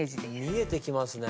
見えてきますね。